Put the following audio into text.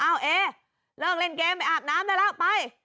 เอเลิกเล่นเกมไปอาบน้ำได้แล้วไป